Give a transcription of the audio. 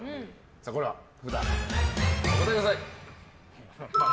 これは、札でお答えください。